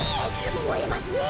もえますねえ！